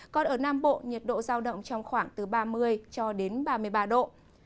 còn ở nam bộ nhiệt độ giao động trong khoảng từ ba mươi cho đến ba mươi ba độ